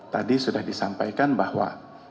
tadi sudah disampaikan bahwa